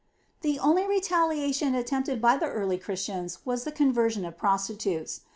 The only retaliation attempted by the early Christians was the conversion of prostitutes.